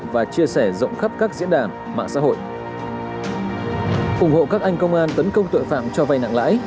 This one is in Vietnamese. và chia sẻ rộng khắp các diễn đàn mạng xã hội